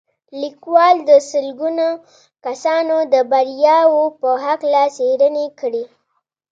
ليکوال د سلګونه کسانو د برياوو په هکله څېړنې کړې.